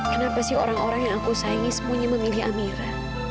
kenapa sih orang orang yang aku sayangi sembunyi memilih amira